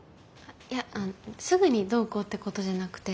いやあのすぐにどうこうってことじゃなくて。